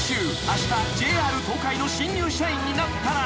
あしたＪＲ東海の新入社員になったら］